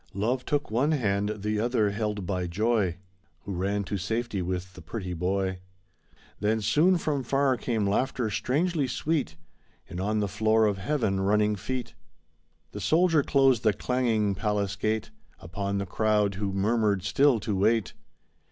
Love took one hand, the other held by Joy, Who ran to safety with the pretty boy. THE SAD YEARS THE PALACE GATE (Continued) Then soon from far came laughter strangely sweet And on the floor of Heaven running feet. The soldier closed the clanging palace gate Upon the crowd who murmured still to wait.